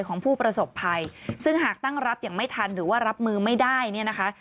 ของผู้ประสบภัยซึ่งหากตั้งรับอย่างไม่ทันหรือว่ารับมือไม่ได้เนี่ยนะคะ